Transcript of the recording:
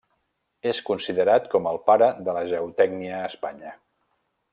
És considerat com el pare de la geotècnia a Espanya.